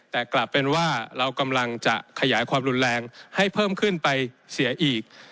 แต่กลับเป็นว่าเรากำลังจะขยายความรุนแรงให้เพิ่มขึ้นไปเสียอีก